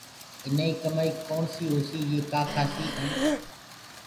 اينآئيٚ ڪمآئيٚ ڪوڻسيٚ هوسيٚ يي ڪآ کآسي ائينٚ